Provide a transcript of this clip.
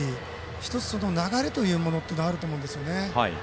１つ流れというのものがあると思うんですね。